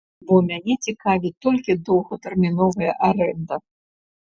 Бо мяне цікавіць толькі доўгатэрміновая арэнда!